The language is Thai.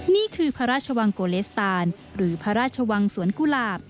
นี่คือพระราชวังโกเลสตานหรือพระราชวังสวนกุหลาบ